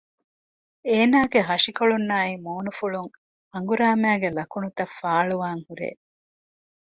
އޭނާގެ ހަށިކޮޅުންނާއި މޫނުފުޅުން ހަނގުރާމައިގެ ލަކުނުތައް ފާޅުވާން ހުރޭ